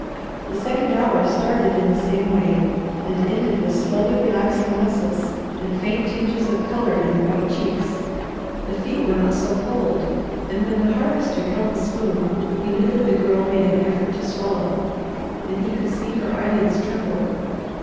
The second hour started in the same way, and ended with slowly relaxing muscles and faint tinges of colour in the white cheeks. The feet were not so cold, and when the Harvester held the spoon he knew that the Girl made an effort to swallow, and he could see her eyelids tremble.